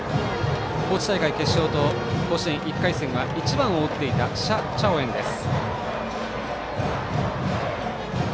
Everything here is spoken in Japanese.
高知大会決勝と甲子園１回戦は１番を打っていた謝喬恩です。